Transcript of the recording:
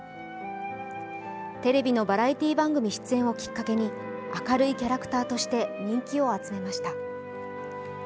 テレビのバラエティー番組出演をきっかけに明るいキャラクターとして人気を集めました。